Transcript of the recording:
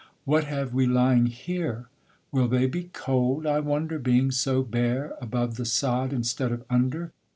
What have we lying here? will they be cold, I wonder, being so bare, above the sod, Instead of under?